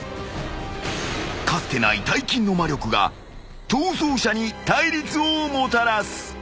［かつてない大金の魔力が逃走者に対立をもたらす］